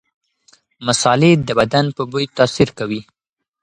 مصالحې د بدن په بوی تاثیر کوي.